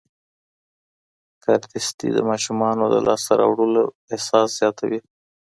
کاردستي د ماشومانو د لاسته راوړنو احساس زیاتوي.